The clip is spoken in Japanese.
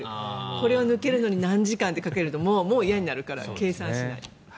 これを抜けるのに何時間って考えるともう嫌になるから計算しない。